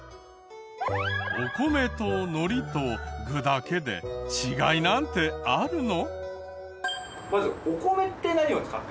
お米と海苔と具だけで違いなんてあるの？